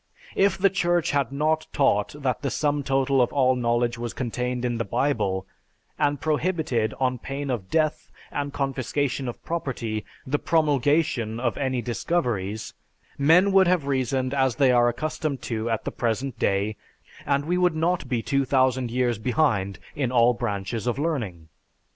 If the Church had not taught that the sum total of all knowledge was contained in the Bible, and prohibited, on pain of death and confiscation of property, the promulgation of any discoveries, men would have reasoned as they are accustomed to at the present day, and we would not be 2000 years behind in all branches of learning.